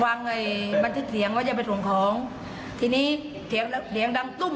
วางไอ้บันทิศเชียงว่าจะไปส่งของทีนี้เขียกเรียกเรียกดังตุ้ม